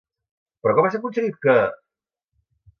Però com has aconseguit que...?